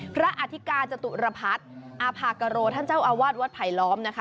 อธิกาจตุรพัฒน์อาภากโรท่านเจ้าอาวาสวัดไผลล้อมนะคะ